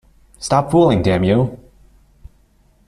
Stop fooling, damn you!